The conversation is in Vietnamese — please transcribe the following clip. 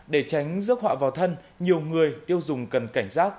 để tránh rước họa vào thân nhiều người tiêu dùng cần cảnh giác